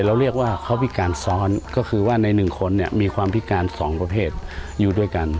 เราเรียกว่าเขาพิการซ้อนก็คือว่าในหนึ่งคนเนี่ยมีความพิการ๒ประเภทอยู่ด้วยกัน